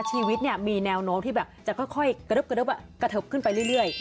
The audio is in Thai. ชีวิตมีแนวโน้มที่แบบจะค่อยกระเทิบขึ้นไปเรื่อย